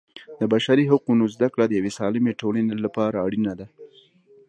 د بشري حقونو زده کړه د یوې سالمې ټولنې لپاره اړینه ده.